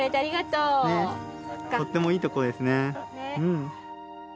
とってもいいとこですね。